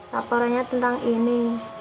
laporannya tentang ini